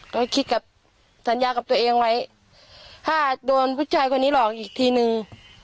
ก็คิดกับสัญญากับตัวเองไว้ถ้าโดนผู้ชายคนนี้หลอกอีกทีนึง